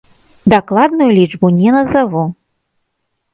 Дакладную лічбу не назаву.